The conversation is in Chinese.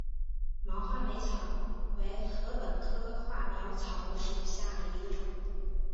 毛画眉草为禾本科画眉草属下的一个种。